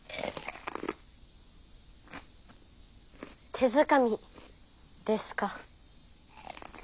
「手づかみ」ですか。